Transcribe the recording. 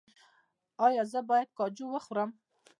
ایا زه باید کاجو وخورم؟